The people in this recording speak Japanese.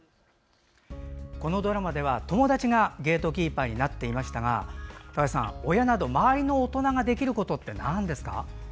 このドラマでは友達がゲートキーパーになっていましたが高橋さん、親など周りの大人ができることってなんですか？